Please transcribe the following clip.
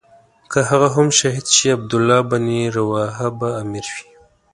که هغه هم شهید شي عبدالله بن رواحه به امیر وي.